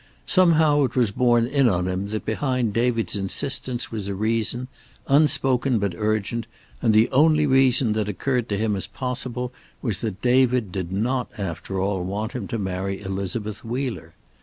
Somehow it was borne in on him that behind David's insistence was a reason, unspoken but urgent, and the only reason that occurred to him as possible was that David did not, after all, want him to marry Elizabeth Wheeler.